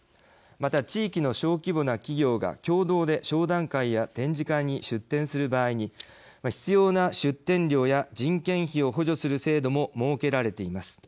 また、地域の小規模な企業が共同で商談会や展示会に出展する場合に、必要な出展料や人件費を補助する制度も設けられています。